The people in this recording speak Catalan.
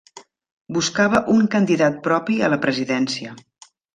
Buscava un candidat propi a la presidència.